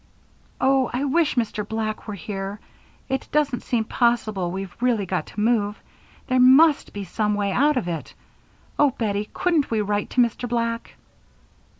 "Oh, I wish Mr. Black were here. It doesn't seem possible we've really got to move. There must be some way out of it. Oh, Bettie, couldn't we write to Mr. Black?"